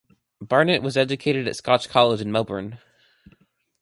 Barnett was educated at Scotch College in Melbourne.